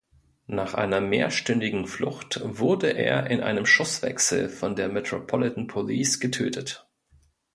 Nach einer mehrstündigen Flucht, wurde er in einem Schusswechsel von der Metropolitan Police getötet.